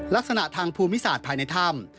ลักษณะทางภูมิศาสตร์ภายในถ้ำ